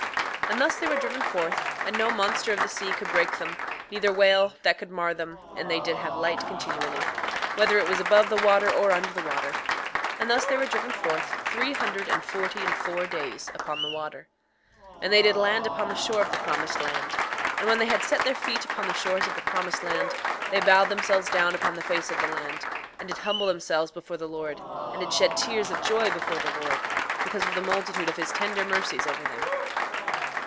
6:10 And thus they were driven forth; and no monster of the sea could break them, neither whale that could mar them; and they did have light continually, whether it was above the water or under the water. 6:11 And thus they were driven forth, three hundred and forty and four days upon the water. 6:12 And they did land upon the shore of the promised land. And when they had set their feet upon the shores of the promised land they bowed themselves down upon the face of the land, and did humble themselves before the Lord, and did shed tears of joy before the Lord, because of the multitude of his tender mercies over them.